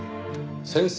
先生？